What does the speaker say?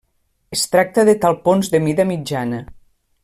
Es tracta de talpons de mida mitjana.